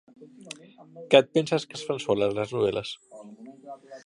¿Que et penses que es fan soles, les novel·les?